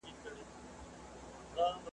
د قفس یې دروازه کړه ورته خلاصه ,